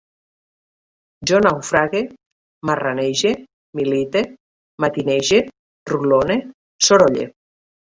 Jo naufrague, marranege, milite, matinege, rutlone, sorolle